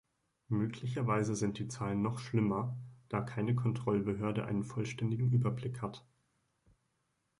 Möglicherweise sind die Zahlen noch schlimmer, da keine Kontrollbehörde einen vollständigen Überblick hat.